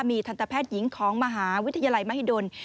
มีทันตแพทย์หญิงของมหาวิทยาลัยมหิดล